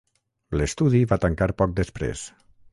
L'estudi va tancar poc després.